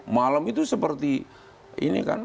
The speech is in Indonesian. malam itu seperti ini kan